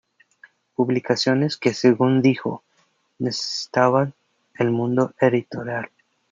Publicaciones que según dijo "necesitaba el mundo editorial".